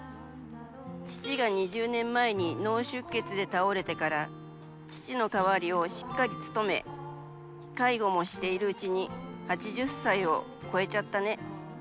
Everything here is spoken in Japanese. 父が２０年前に脳出血で倒れてから、父の代わりをしっかり務め、介護もしているうちに８０歳を超えちゃったね。